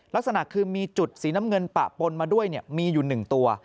ลักษณะคือมีจุดสีน้ำเงินปะปนมาด้วยมีอยู่๑ตัว